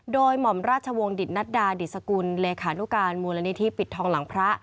โดยหม่อมราชวงศิตนัดดาดิสกุลเลขานุการมูลนิธิปิดทองหลังพระ